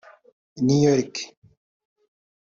Niyorick